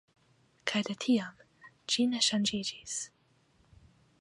Kaj de tiam, ĝi ne ŝanĝiĝis.